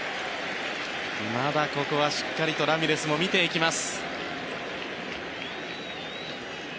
まだここはしっかりとラミレスも見ていきます。